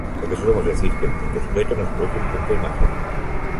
Lo que solemos decir que un punto sujeto nos produce un punto imagen.